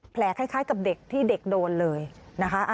คล้ายกับเด็กที่เด็กโดนเลยนะคะ